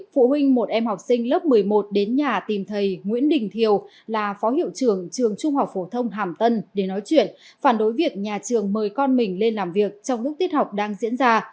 phụ huynh một em học sinh lớp một mươi một đến nhà tìm thầy nguyễn đình thiều là phó hiệu trưởng trường trung học phổ thông hàm tân để nói chuyện phản đối việc nhà trường mời con mình lên làm việc trong lúc tiết học đang diễn ra